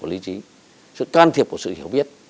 lý trí sự can thiệp của sự hiểu biết